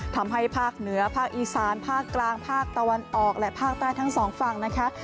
ทำให้ภาคเหนือภาคอีสานภาคกลางภาคตะวันออกและภาคใต้ทั้งสองฝั่งนะคะ